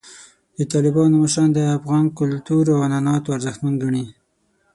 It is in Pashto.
د طالبانو مشران د افغان کلتور او عنعناتو ارزښتمن ګڼي.